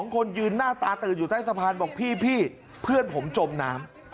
คนยืนหน้าตาตื่นอยู่ใต้สะพานบอกพี่เพื่อนผมจมน้ำ